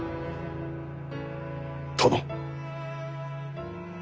殿。